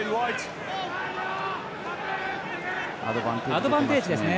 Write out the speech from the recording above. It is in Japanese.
アドバンテージですね。